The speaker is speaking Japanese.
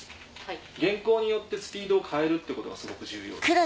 原稿によってスピードを変えるってことがすごく重要です。